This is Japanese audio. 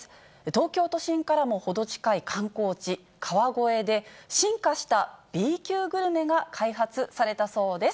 東京都心からも程近い観光地、川越で、進化したＢ級グルメが開発されたそうです。